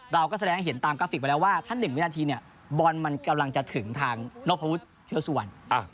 เราก็แสดงเห็นตามกราฟิกไว้แล้วว่าถ้าหนึ่งวินาทีเนี้ยบอลมันกำลังจะถึงทางนพวุธถือสวรรค์